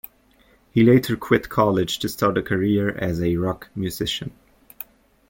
He later quit college to start a career as a rock musician.